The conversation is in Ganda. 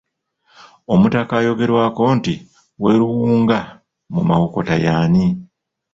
Omutaka ayogerwako nti w'e Luwunga mu Mawokota y'ani?